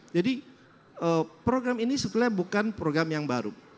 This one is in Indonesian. jadi program ini sebetulnya bukan program yang baru